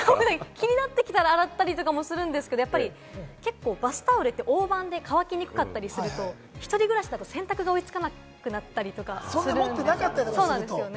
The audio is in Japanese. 気になってきたら、洗ったりもするんですけれど、バスタオルって大判で乾きにくかったりすると一人暮らしだと洗濯が追いつかなくなったりとかするんですよ。